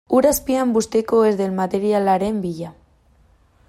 Ur azpian bustiko ez den materialaren bila.